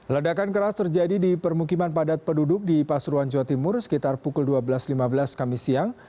ledakan keras terjadi di permukiman padat penduduk di pasuruan jawa timur sekitar pukul dua belas lima belas kami siang